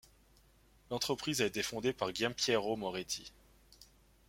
L'entreprise a été fondée par Giampiero Moretti.